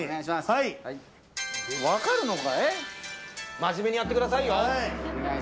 真面目にやってくださいよ。